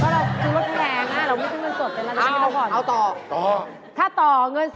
เราจูรถแรงเราไม่ใช่เงินสด